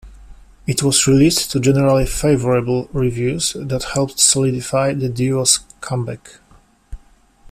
It was released to generally favourable reviews that helped solidify the duo's comeback.